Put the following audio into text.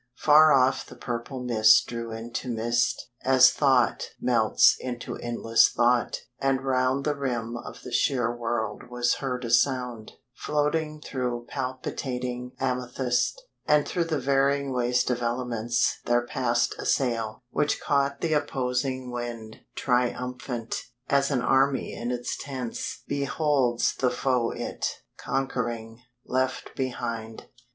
Far off the purple mist drew into mist, As thought melts into endless thought, and round The rim of the sheer world was heard a sound, Floating through palpitating amethyst. And through the varying waste of elements There passed a sail, which caught the opposing wind, Triumphant, as an army in its tents Beholds the foe it, conquering, left behind.